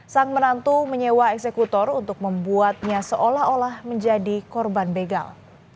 sang menantu menyewa eksekutor untuk membuatnya seolah olah menjadi korban begal